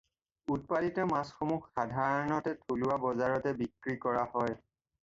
উৎপাদিত মাছসমূহ সাধাৰণতে থলুৱা বজাৰতে বিক্ৰী কৰা হয়।